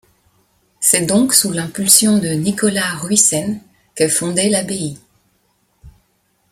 C'est donc sous l'impulsion de Nicolas Ruyssen qu'est fondée l'abbaye.